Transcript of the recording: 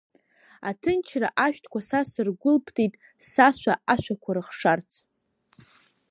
Аҭынчра ашәҭқәа са сыргәылптит, сашәа ашәақәа рыхшарц.